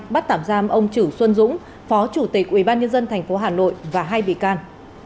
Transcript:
bắt tạm giam ông chử xuân dũng phó chủ tịch ubnd tp hà nội và hai bị can